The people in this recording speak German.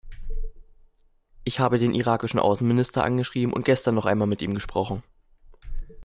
Ich habe den irakischen Außenminister angeschrieben und gestern noch einmal mit ihm gesprochen.